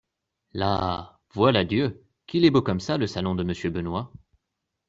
Là … voilà Dieu ! qu'il est beau comme ça le salon de Monsieur Benoît !